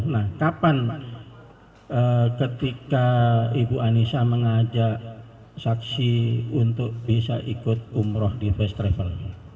nah kapan ketika ibu anissa mengajak saksi untuk bisa ikut umroh di first travel